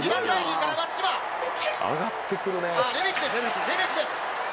松島、レメキです。